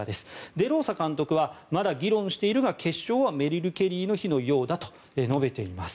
デローサ監督はまだ議論しているが決勝はメリル・ケリーの日のようだと述べています。